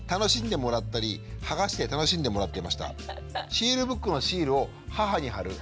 シールブックのシールを母に貼る。